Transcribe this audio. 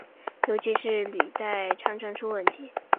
尤其是履带常常出问题。